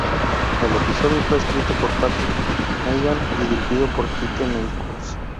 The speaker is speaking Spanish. El episodio fue escrito por Patrick Meighan y dirigido por Pete Michels.